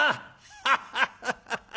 ハハハハ。